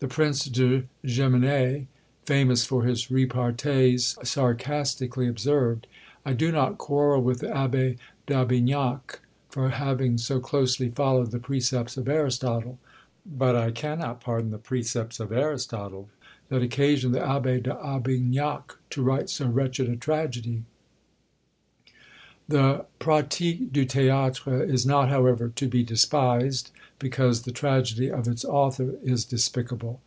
The Prince de Guemené, famous for his repartees, sarcastically observed, "I do not quarrel with the Abbé d'Aubignac for having so closely followed the precepts of Aristotle; but I cannot pardon the precepts of Aristotle, that occasioned the Abbé d'Aubignac to write so wretched a tragedy." The Pratique du Théâtre is not, however, to be despised, because the Tragedy of its author is despicable.